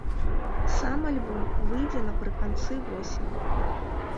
Сам альбом выйдзе напрыканцы восені.